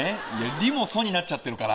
「リ」も「ソ」になっちゃってるから。